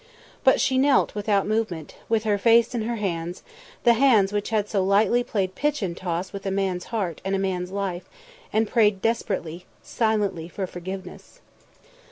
But she knelt without movement, with her face in her hands, the hands which had so lightly played pitch and toss with a man's heart and a man's life, and prayed desperately, silently, for forgiveness.